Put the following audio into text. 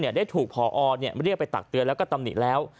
ได้ถูกพอเรียกไปตักเตือนแล้วก็ตำหนิแล้ว